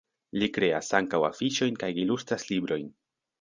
Li kreas ankaŭ afiŝojn kaj ilustras librojn.